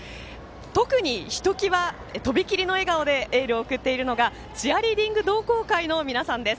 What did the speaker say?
特にひときわ、とびきりの笑顔でエールを送っているのがチアリーディング同好会の皆さんです。